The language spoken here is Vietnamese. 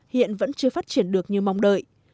hiện vẫn chưa phát triển được như mong đợi